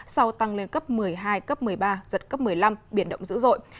sau tăng lên cấp một mươi hai cấp một mươi ba giật cấp một mươi năm biển động dữ dội